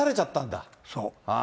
そう。